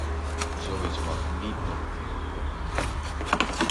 Zoiets mag niet nog een keer gebeuren!